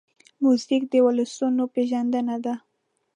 موزیک د ولسونو پېژندنه ده.